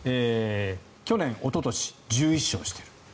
去年おととし１１勝している。